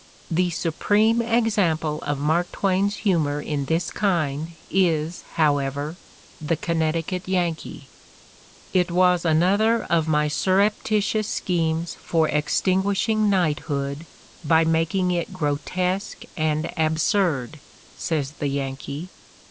The supreme example of Mark Twain's humor in this kind is, however, the "Connecticut Yankee." "It was another of my surreptitious schemes for extin guishing knighthood by making it grotesque and ab surd, '' says the Yankee.